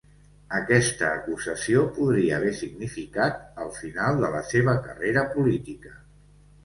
Aquesta acusació podria haver significat el final de la seva carrera política.